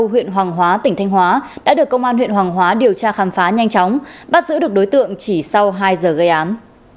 huyện hoàng hóa tỉnh thanh hóa đã được công an huyện hoàng hóa điều tra khám phá nhanh chóng bắt giữ được đối tượng chỉ sau hai giờ gây án